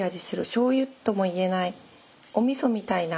しょうゆとも言えないおみそみたいな。